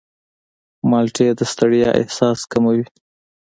مالټې د ستړیا احساس کموي.